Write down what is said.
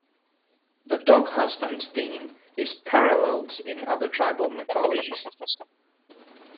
The "Dog Husband" theme is paralleled in other tribal mythologies.